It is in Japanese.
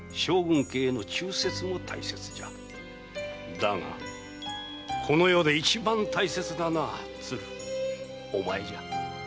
だがこの世で一番大切なのは鶴お前じゃ。